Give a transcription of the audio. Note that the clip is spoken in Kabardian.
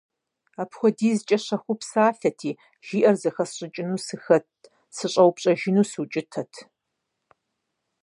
АпхуэдизкӀэ щэхуу псалъэрти, жиӏэр зэхэсщӏыкӏыну сыхэтт, сыщӀэупщӀэжыну сыукӏытэрт.